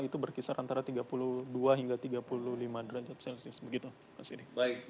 itu berkisar antara tiga puluh dua hingga tiga puluh lima derajat celcius begitu mas ini